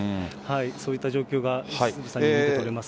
そういった状況がつぶさに見て取れます。